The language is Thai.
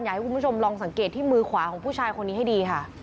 อยากให้คุณผู้ชมลองสังเกตที่มือขวาของผู้ชายคนนี้ให้ดีค่ะ